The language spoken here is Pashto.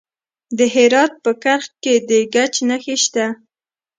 د هرات په کرخ کې د ګچ نښې شته.